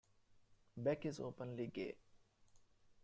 Beck is openly gay.